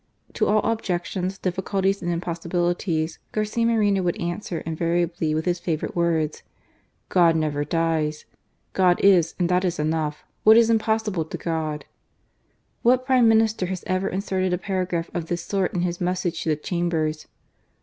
To all objections, difficulties, and impossibilities, Garcia Moreno would answer invariably with his favourite words : God never dies. " God is — and that is enough. What is impossible to God?" What Prime Minister has ever inserted a para graph of this sort in his message to the Chambers